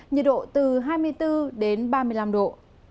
nhiệt độ từ hai mươi bốn đến ba mươi năm độ